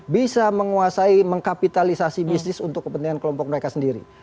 bisa menguasai mengkapitalisasi bisnis untuk kepentingan kelompok mereka sendiri